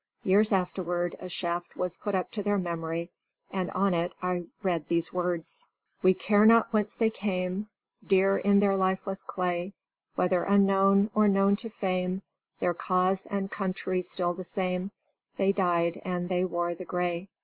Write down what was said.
Years afterward, a shaft was put up to their memory, and on it I read these words: "We care not whence they came, Dear in their lifeless clay, Whether unknown, or known to fame, Their cause and country's still the same, They died, and they wore the gray."